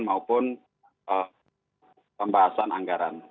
maupun pembahasan anggaran